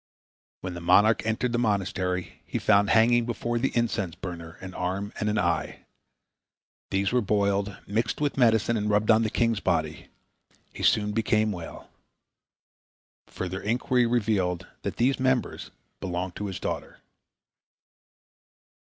When the monarch entered the monastery, he found hanging before the incense burner an arm and an eye. These were boiled, mixed with medicine and rubbed on the king's body. He soon became well. Further inquiry revealed that these members belonged to his daughter.